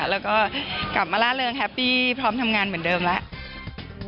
แล้วก็กลับมาล่าเริงแฮปปี้พร้อมทำงานเหมือนเดิมแล้ว